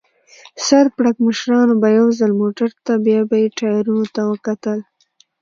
سر پړکمشرانو به یو ځل موټر ته بیا به یې ټایرونو ته وکتل.